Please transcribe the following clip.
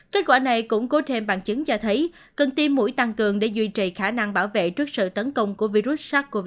kết quả này cũng có thêm bằng chứng cho thấy cần tiêm mũi tăng cường để duy trì khả năng bảo vệ trước sự tấn công của virus sắc covid hai